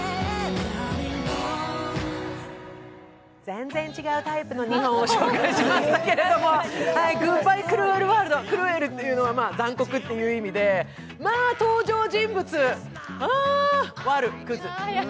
全然違うタイプの２本を紹介しましたけど、「グッバイ・クルエル・ワールド」、クルエルというのは残酷という意味でまあ登場人物、あ、ワル、クズ。